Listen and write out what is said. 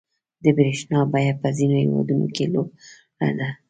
• د برېښنا بیه په ځینو هېوادونو کې لوړه ده.